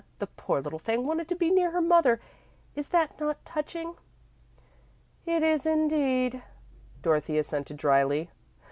The poor little thing wanted to be near her mother. Is it not touching?" "It is indeed," Dorothy assented, dryly.